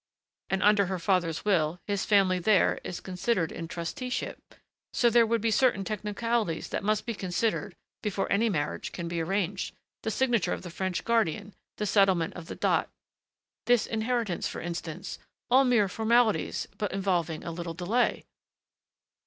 "And under her father's will his family there is considered in trusteeship. So there would be certain technicalities that must be considered before any marriage can be arranged, the signature of the French guardian, the settlement of the dot this inheritance, for instance all mere formalities but involving a little delay."